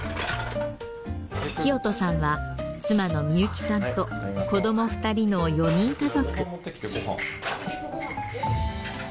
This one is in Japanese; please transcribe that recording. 聖人さんは妻の美友生さんと子ども２人の４人家族。